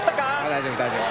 大丈夫大丈夫。